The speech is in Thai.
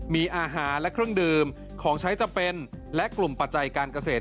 มีอาหารและเครื่องดื่มของใช้จำเป็นและกลุ่มปัจจัยการเกษตร